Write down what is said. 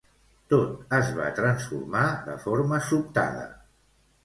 Tot es va transformar de forma sobtada.